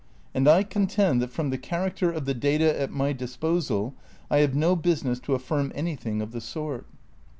And I contend that from the character of the data at my disposal I have no business to affirm any thing of the sort.